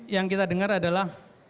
yang kita dengar adalah